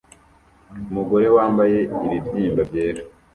Umugore wambaye ibibyimba byera